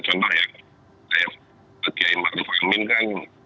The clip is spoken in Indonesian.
contohnya saya pak kiai baru kemin kan